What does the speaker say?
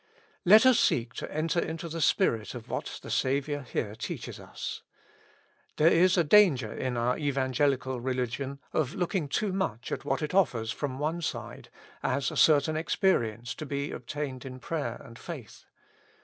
Let us seek to enter into the spirit of what the Saviour here teaches us. There is a danger in our evangelical religion of looking too much at what it offers from one side, as a certain experience to be obtained in prayer and faith.